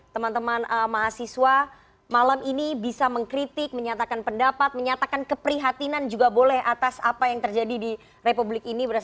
teman teman mahasiswa malam ini bisa mengkritik menyatakan pendapat menyatakan keprihatinan juga boleh atas apa yang terjadi di republik ini